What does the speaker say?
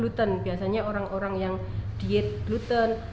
gluten biasanya orang orang yang diet gluten